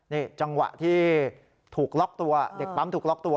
นี่จังหวะที่ถูกล็อกตัวเด็กปั๊มถูกล็อกตัว